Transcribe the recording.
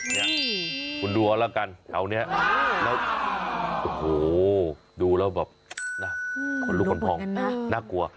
นี่คุณดูเอาละกันเอานี้โอ้โหดูแล้วแบบน่ากลัว